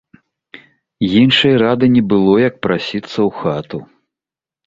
Іншай рады не было, як прасіцца ў хату.